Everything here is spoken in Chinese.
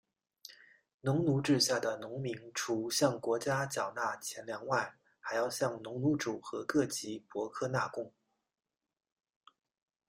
农奴制下的农民除向国家缴纳钱粮外还要向农奴主和各级伯克纳贡。